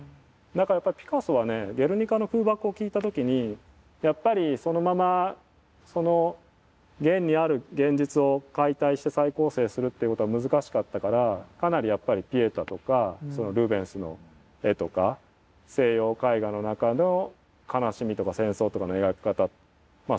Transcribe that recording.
だからやっぱりピカソはねゲルニカの空爆を聞いた時にやっぱりそのままその現にある現実を解体して再構成するということは難しかったからかなりやっぱりピエタとかそのルーベンスの絵とか西洋絵画の中の悲しみとか戦争とかの描き方まあ